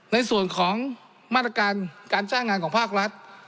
ในส่วนของมาตรการการจ้างงานของภาครัฐ